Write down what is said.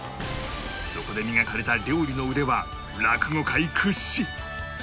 そこで磨かれた料理の腕は落語界屈指！